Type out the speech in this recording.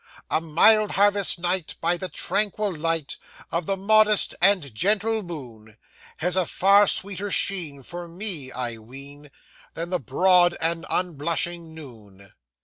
'A mild harvest night, by the tranquil light Of the modest and gentle moon, Has a far sweeter sheen for me, I ween, Than the broad and unblushing noon.